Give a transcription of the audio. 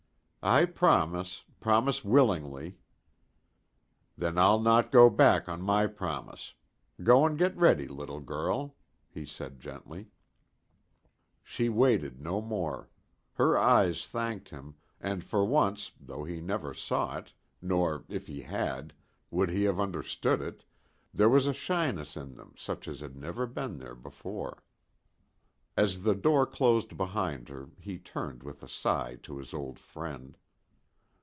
"I promise promise willingly." "Then I'll not go back on my promise. Go and get ready, little girl," he said gently. She waited for no more. Her eyes thanked him, and for once, though he never saw it, nor, if he had, would he have understood it, there was a shyness in them such as had never been there before. As the door closed behind her he turned with a sigh to his old friend.